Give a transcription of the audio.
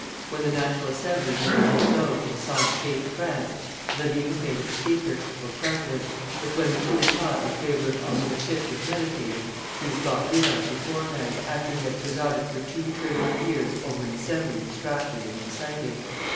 When the National Assembly met at Bordeaux to decide the fate of France, Grévy was made its Speaker, or president; but when the coup d'état in favor of Henri V. was meditated, he was got rid of beforehand, after he had presided for two turbulent years over an Assembly distracted and excited.